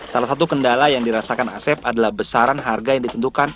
salah satu kendala yang dirasakan asep adalah besaran harga yang ditentukan